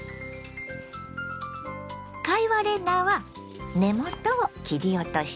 貝割れ菜は根元を切り落としてね。